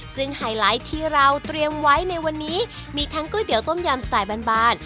ซึ่งไฮไลท์ที่เราเตรียมไว้ในวันนี้มีทั้งก๋วยเตี๋ต้มยำสไตล์บาน